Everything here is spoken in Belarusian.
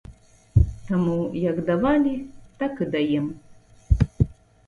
Таму, як давалі, так і даем.